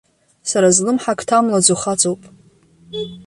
Сара злымҳа ак ҭамлаӡо хаҵоуп.